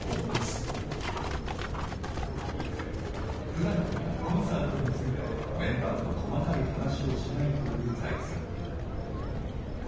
ふだんからコンサートについてメンバーと細かい話をしないという財津さん。